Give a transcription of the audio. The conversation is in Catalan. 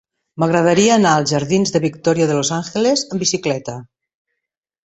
M'agradaria anar als jardins de Victoria de los Ángeles amb bicicleta.